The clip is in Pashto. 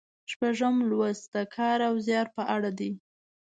شپږم لوست د کار او زیار په اړه دی.